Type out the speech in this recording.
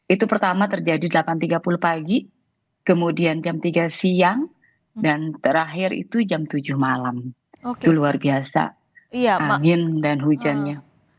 itu pertama terjadi delapan tiga puluh pagi kemudian jam tiga siang dan terakhir itu jam tujuh malam itu luar biasa angin dan hujannya